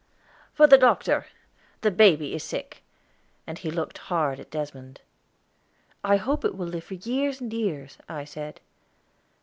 "For the doctor. The baby is sick"; and he looked hard at Desmond. "I hope it will live for years and years," I said.